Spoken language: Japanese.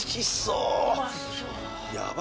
うまそう。